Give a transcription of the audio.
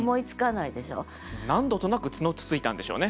何度となく角をつついたんでしょうね。